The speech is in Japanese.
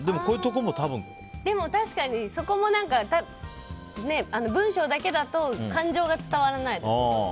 確かにそこも文章だけだと感情が伝わらないですよね。